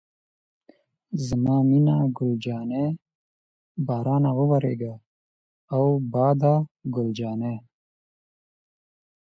زما مینه ګل جانې، بارانه وورېږه او باده ګل جانې.